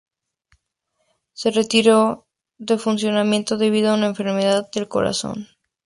Se retiró de funcionamiento debido a una enfermedad del corazón.